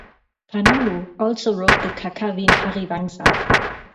Panuluh also wrote the Kakawin Hariwangsa.